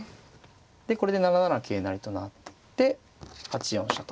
でこれで７七桂成と成って８四飛車と。